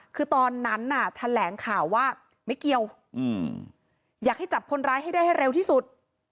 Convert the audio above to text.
คือตอนนั้นน่ะแถลงข่าวว่าไม่เกี่ยวอยากให้จับคนร้ายให้ได้ให้เร็วที่สุด